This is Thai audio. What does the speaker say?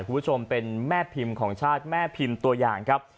คุณผู้ชมเป็นแม่พิมพ์ของชาติแม่พิมพ์ตัวอย่างครับ